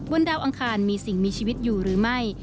ดาวอังคารมีสิ่งมีชีวิตอยู่หรือไม่